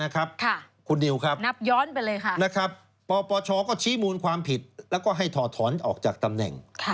คุณนิวครับนะครับปปชก็ชี้มูลความผิดแล้วก็ให้ถอดถอนออกจากตำแหน่ง